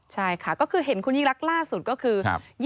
ใช่ค่ะก็คือเห็นคุณยิ่งรักล่าสุดก็คือ